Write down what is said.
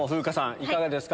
いかがですか？